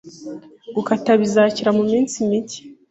Gukata bizakira muminsi mike.